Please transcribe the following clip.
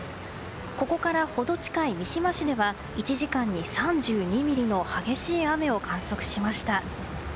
ここから程近い三島市では１時間に３２ミリの激しい雨を観測しました。